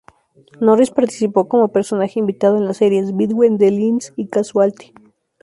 Norris participó como personaje invitado en las series "Between the Lines" y "Casualty".